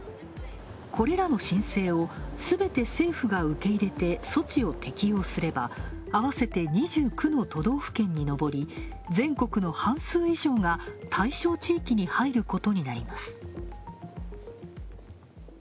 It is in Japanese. これらの申請をすべて政府が受け入れて措置を適用すれば、合わせて２９の都道府県にのぼり全国の半数以上が対象地域に入ることになります。